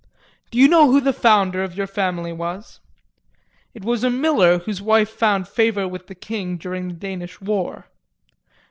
Do you know who the founder of your family was? It was a miller whose wife found favor with the king during the Danish War.